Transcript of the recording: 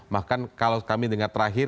bahkan kalau kami dengar terakhir